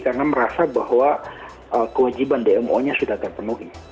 karena merasa bahwa kewajiban dmo nya sudah terpenuhi